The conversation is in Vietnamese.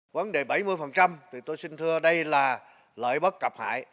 vấn đề bảy mươi thì tôi xin thưa đây là lợi bất cập hại